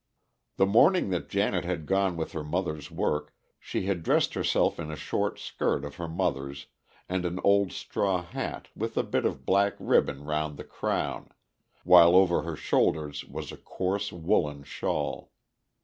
The morning that Janet had gone with her mother's work, she had dressed herself in a short skirt of her mother's and an old straw hat with a bit of black ribbon round the crown, while over her shoulders was a coarse woollen shawl.